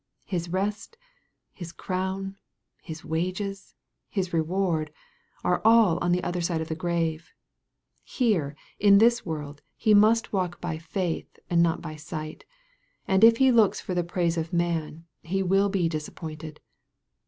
His rest, his crown, his wages, his reward, are all on the other side of the grave. Here, in this world, he must walk 6 122 EXPOSITORY THOUGHTS. by faith, and not by sight ; and if he looks for the praise of man, he will be disappointed.